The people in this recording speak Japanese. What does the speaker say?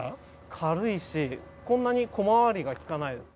軽いしこんなに小回りが利かないです。